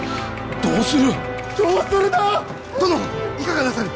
どうする！？